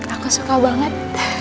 aku suka banget